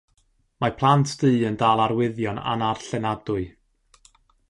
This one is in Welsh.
Mae plant du yn dal arwyddion annarllenadwy.